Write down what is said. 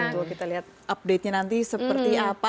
iya kalau kita lihat update nya nanti seperti apa